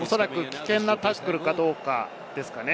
危険なタックルかどうかですね。